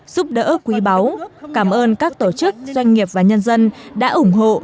giúp đỡ quý báu cảm ơn các tổ chức doanh nghiệp và nhân dân đã ủng hộ